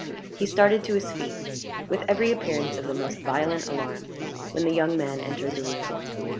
He started to his feet, with every appearance of the most violent alarm, when the young man entered the room.